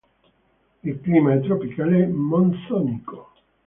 Il clima è tropicale monsonico.